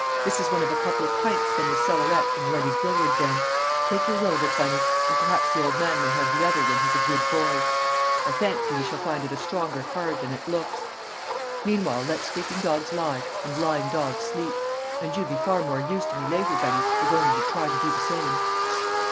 "This is one of a couple of pints from the cellarette in Levy's billiard den; take your will of it, Bunny, and perhaps the old man may have the other when he's a good boy. I fancy we shall find it a stronger card than it looks. Meanwhile let sleeping dogs lie and lying dogs sleep! And you'd be far more use to me later, Bunny, if only you'd try to do the same."